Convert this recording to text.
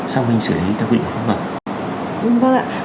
xong hình xử lý tất cả